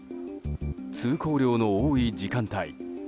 通行量の多い時間帯